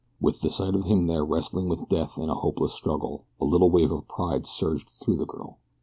With the sight of him there wrestling with death in a hopeless struggle a little wave of pride surged through the girl.